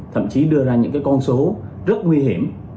thậm chí đưa ra những con số rất nguy hiểm